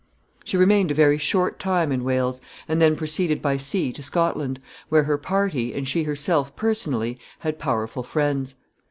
] She remained a very short time in Wales, and then proceeded by sea to Scotland, where her party, and she herself personally, had powerful friends.